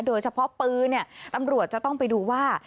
โดยเฉพาะปืนตำรวจจะต้องไปดูว่า